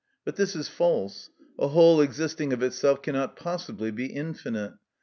But this is false; a whole existing of itself cannot possibly be infinite.